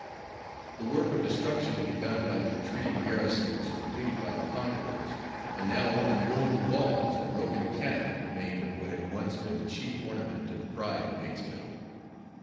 The work of destruction begun by the retreating garrison was completed by the conquerors, and now only ruined walls and broken cannon remained of what had once been the chief ornament and pride of Patesville.